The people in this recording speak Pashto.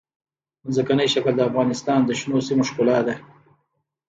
ځمکنی شکل د افغانستان د شنو سیمو ښکلا ده.